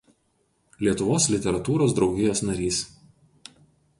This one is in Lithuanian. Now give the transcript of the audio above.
Lietuvos literatūros draugijos narys.